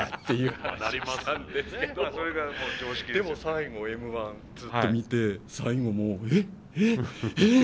でも最後Ｍ‐１ずっと見て最後もう「えっえっええっ！」